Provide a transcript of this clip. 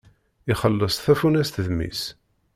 Ixelleṣ tafunast d mmi-s!